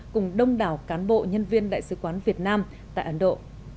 cùng đông đảo cán bộ nhân viên đại sứ quán việt nam tại ấn độ